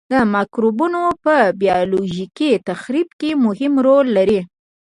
دا مکروبونه په بیولوژیکي تخریب کې مهم رول لري.